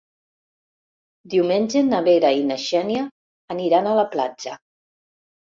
Diumenge na Vera i na Xènia aniran a la platja.